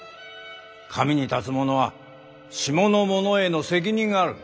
上に立つものは下のものへの責任がある。